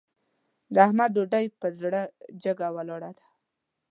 د احمد ډوډۍ پر زړه جګه ولاړه ده.